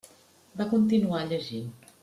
Va continuar llegint.